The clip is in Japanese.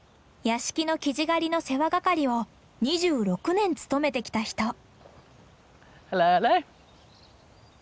屋敷のキジ狩りの世話係を２６年務めてきた人。